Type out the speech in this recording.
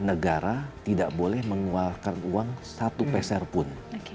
negara tidak boleh mengeluarkan uang satu peser pun